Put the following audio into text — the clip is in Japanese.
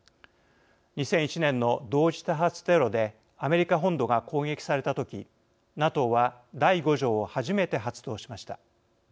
２００１年の同時多発テロでアメリカ本土が攻撃された時ＮＡＴＯは第５条を初めて発動しました。